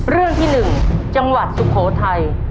เรื่องที่๑จังหวัดสุโขทัย